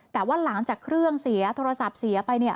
แต่ว่าหลังจากเครื่องเสียโทรศัพท์เสียไปเนี่ย